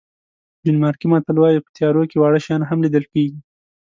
ډنمارکي متل وایي په تیارو کې واړه شیان هم لیدل کېږي.